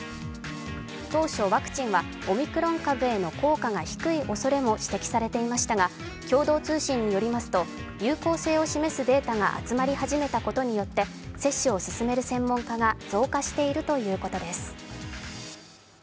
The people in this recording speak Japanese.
当初、ワクチンはオミクロン株への効果が低いおそれも指摘されていましたが共同通信によりますと有効性を示すデータが集まり始めたことによって接種を勧める専門家が増加しているということです。